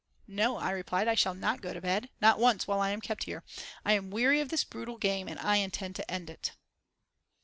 "No," I replied, "I shall not go to bed, not once while I am kept here. I am weary of this brutal game, and I intend to end it."